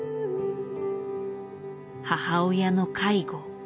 母親の介護。